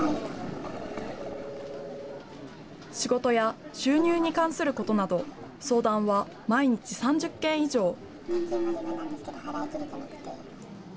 仕事や収入に関することなど、相談は毎日３０件以上。